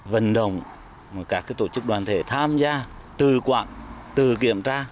vận động các tổ chức đoàn thể tham gia tự quản tự kiểm tra